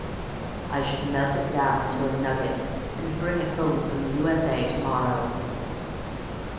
"I should melt it down into a nugget, and bring it home from the U.S.A. to morrow."